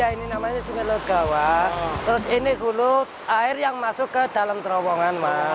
ini namanya sungai legawa terus ini hulu air yang masuk ke dalam terowongan